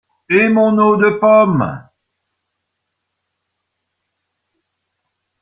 Et mon eau de pommes!